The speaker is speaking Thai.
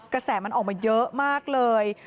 กระแสมันออกมาเยอะมากเลย